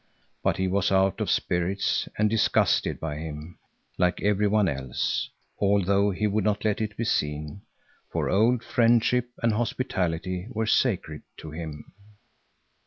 But he was out of spirits and disgusted by him, like every one else, although he would not let it be seen, for old friendship and hospitality were sacred to him.